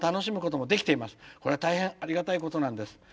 これは大変ありがたいことなんです。